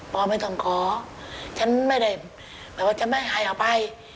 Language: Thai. พอไม่ต้องขอฉันไม่ได้หมายความว่าฉันไม่หายออกไป